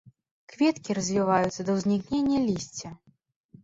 Кветкі развіваюцца да ўзнікнення лісця.